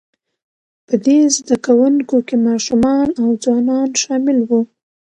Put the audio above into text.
په دې زده کوونکو کې ماشومان او ځوانان شامل وو،